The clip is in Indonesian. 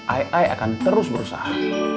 ay ay akan terus berusaha